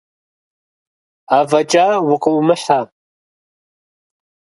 Афӏэкӏа укъыӏумыхьэ.